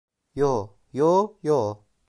Yo, yo, yo.